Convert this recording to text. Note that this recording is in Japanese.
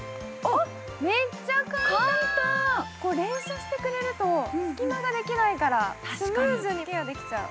めっちゃ簡単、連射してくれると隙間ができないからスムーズにケアできちゃう。